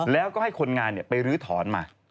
แล้วก็ให้คนงานไปลื้อถอนมา